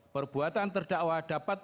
perbuatan terdakwa dapat